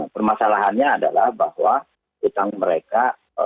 permasalahannya adalah bahwa utang mereka